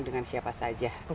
dengan siapa saja